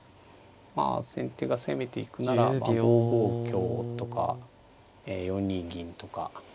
まあ先手が攻めていくなら５五香とか４二銀とか。